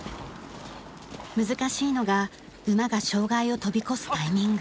難しいのが馬が障害を跳び越すタイミング。